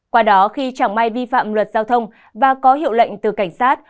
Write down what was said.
qua đó khi chẳng may vi phạm luật giao thông và có hiệu lệnh từ cảnh sát